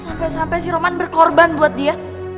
sampai sampai si roman berkorban buat dia